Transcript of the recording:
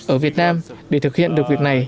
ở việt nam để thực hiện được việc này